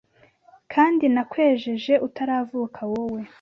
kandi nakwejeje utaravuka wowe